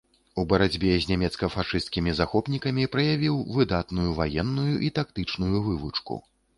У барацьбе з нямецка-фашысцкімі захопнікамі праявіў выдатную ваенную і тактычную вывучку.